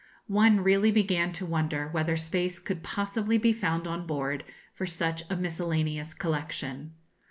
One really began to wonder whether space could possibly be found on board for such a miscellaneous collection.